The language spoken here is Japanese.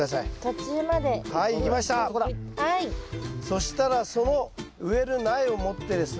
そしたらその植える苗を持ってですね